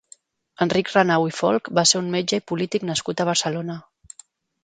Enric Renau i Folch va ser un metge i polític nascut a Barcelona.